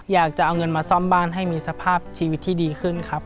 อยากจะเอาเงินมาซ่อมบ้านให้มีสภาพชีวิตที่ดีขึ้นครับ